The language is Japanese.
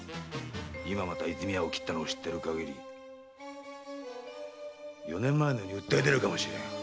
今また和泉屋を斬ったのを知っている限り四年前のように訴え出るかもしれん。